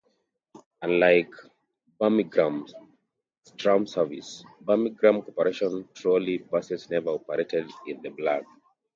Unlike Birmingham's tram service, Birmingham Corporation Trolley Buses never operated in the Black Country.